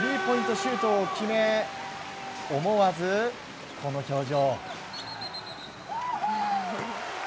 シュートを決め思わずこの表情。